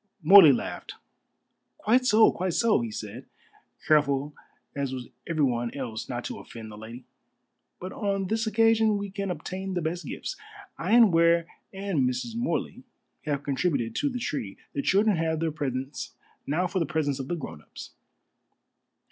Morley laughed. "Quite so, quite so," he said, careful as was everyone else not to offend the lady, "but on this occasion we can obtain the best gifts. I and Ware and Mrs. Morley have contributed to the tree. The children have their presents, now for the presents of the grown ups."